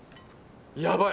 やばい